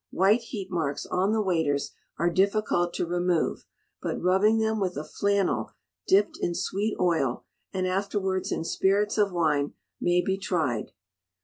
White heat marks on the waiters are difficult to remove; but rubbing them with a flannel dipped in sweet oil, and afterwards in spirits of wine, may be tried.